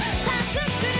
スクれ！